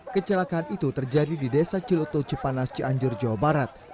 kecelakaan itu terjadi di desa ciloto cipanas cianjur jawa barat